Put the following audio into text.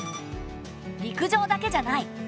陸上だけじゃない。